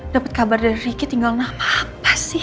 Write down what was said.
dapet kabar dari riki tinggal nama apa sih